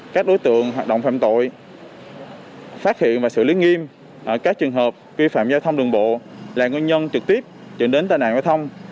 các đối tượng hoạt động phạm tội phát hiện và xử lý nghiêm các trường hợp vi phạm giao thông đường bộ là nguyên nhân trực tiếp dẫn đến tai nạn giao thông